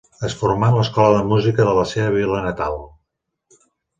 Es formà en l'Escola de Música de la seva vila natal.